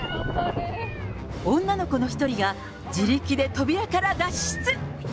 女の子の１人が自力で扉から脱出。